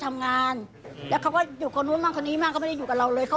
แต่ก็อยู่กับเขามานานไหม